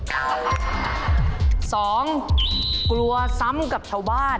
สองกลัวซ้ำกับชาวบ้าน